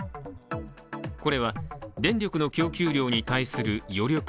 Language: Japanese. これは電力の供給量に対する余力